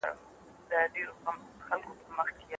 د موبایل د پیغام ټون زما پام بل لوري ته کړ.